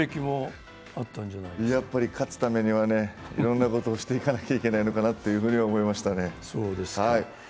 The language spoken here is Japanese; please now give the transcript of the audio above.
やっぱり勝つためにはいろんなことをしていかなければいけないと思いましたね。